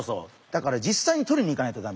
だから実際にとりに行かないとダメ。